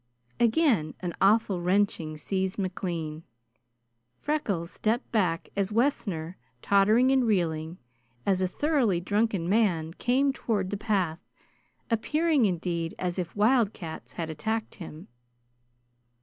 Again an awful wrenching seized McLean. Freckles stepped back as Wessner, tottering and reeling, as a thoroughly drunken man, came toward the path, appearing indeed as if wildcats had attacked him.